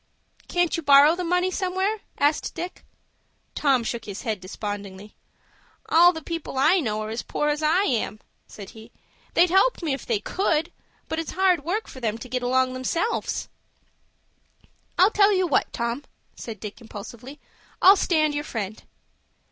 "Can't you borrow the money somewhere?" asked Dick. Tom shook his head despondingly. "All the people I know are as poor as I am," said he. "They'd help me if they could, but it's hard work for them to get along themselves." "I'll tell you what, Tom," said Dick, impulsively, "I'll stand your friend."